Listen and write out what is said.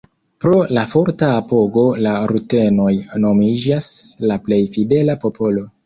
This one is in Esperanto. Pro la forta apogo la rutenoj nomiĝas la plej fidela popolo.